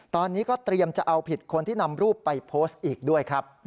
ตอนนี้ก็เตรียมจะเอาผิดคนที่นำรูปไปโพสต์อีกด้วยครับ